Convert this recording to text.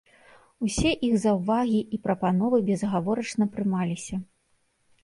Усе іх заўвагі і прапановы безагаворачна прымаліся.